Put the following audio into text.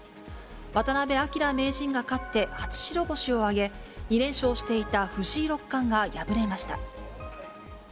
渡辺明名人が勝って初白星を挙げ、２連勝していた藤井六冠が敗れました。